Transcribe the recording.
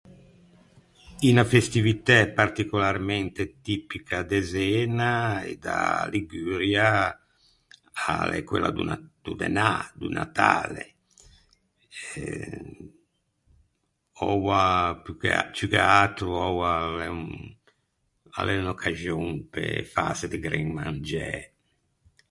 Unna festivitæ particolarmente tipica de Zena e da Liguria a l’é quella do Na- do Dënâ, do Natale. Oua più che a- ciù che atro oua l’é un a l’é unn’occaxon pe fâse de gren mangiæ.